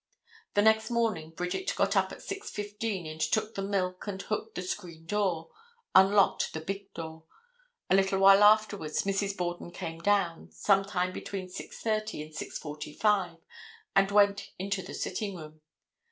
The next morning Bridget got up at 6:15 and took in the milk and hooked the screen door, unlocked the big door. A little while afterwards Mrs. Borden came down, some time between 6:30 and 6:45, and went into the sitting room.